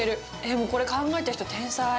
もうこれ考えた人、天才。